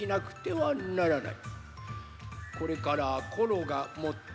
はい！